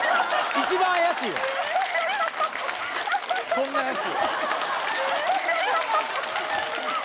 そんなヤツ。